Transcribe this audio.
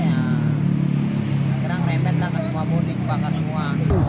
akhirnya ngerempet lah ke semua bodi kebakar semua